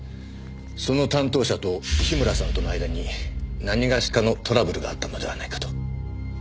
その担当者と樋村さんとの間に何がしかのトラブルがあったのではないかと。